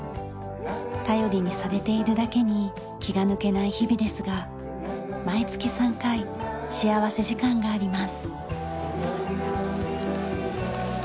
頼りにされているだけに気が抜けない日々ですが毎月３回幸福時間があります。